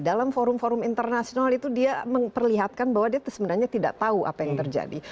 dalam forum forum internasional itu dia memperlihatkan bahwa dia sebenarnya tidak tahu apa yang terjadi